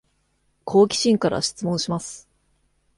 好奇心から質問します